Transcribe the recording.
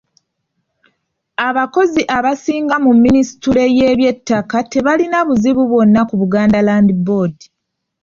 Abakozi abasinga mu minisitule y'eby'ettaka tebaalina buzibu bwonna ku Buganda Land Board.